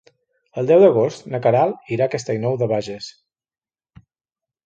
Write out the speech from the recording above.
El deu d'agost na Queralt irà a Castellnou de Bages.